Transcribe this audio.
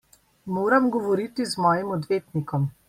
Moram govoriti z mojim odvetnikom.